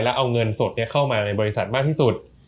แล้วเอาเงินสดเข้ามาในบริษัทมากที่สุด